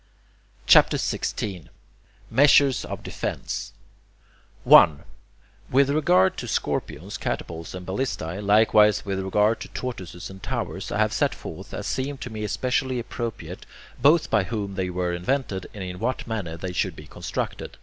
CHAPTER XVI MEASURES OF DEFENCE 1. With regard to scorpiones, catapults, and ballistae, likewise with regard to tortoises and towers, I have set forth, as seemed to me especially appropriate, both by whom they were invented and in what manner they should be constructed.